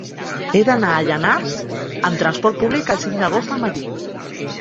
He d'anar a Llanars amb trasport públic el cinc d'agost al matí.